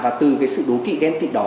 và từ cái sự đố kị ghen tị đó